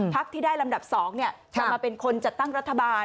ภักดิ์ที่ได้ลำดับ๒เนี่ยก็มาเป็นคนจัดตั้งรัฐบาล